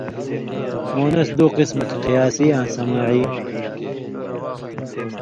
مؤنث دُو قسمہ تھی ،قیاسی آں سماعی